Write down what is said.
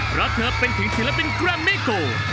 เพราะเธอเป็นถึงศิลปินกรัมเมโก